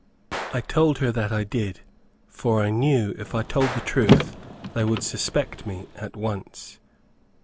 I told her that I did, for I knew if I told the truth they would suspect me at once.